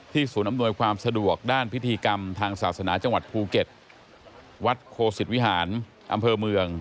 ศูนย์อำนวยความสะดวกด้านพิธีกรรมทางศาสนาจังหวัดภูเก็ตวัดโคสิตวิหารอำเภอเมือง